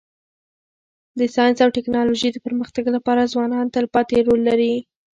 د ساینس او ټکنالوژی د پرمختګ لپاره ځوانان تلپاتي رول لري.